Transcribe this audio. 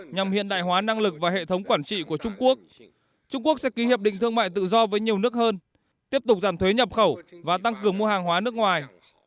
nhằm hiện đại hóa năng lực và hệ thống quản trị của trung quốc trung quốc sẽ ký hiệp định thương mại tự do với nhiều nước hơn tiếp tục giảm thuế nhập khẩu và tăng cường mua hàng hóa nước ngoài